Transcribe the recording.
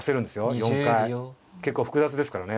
結構複雑ですからね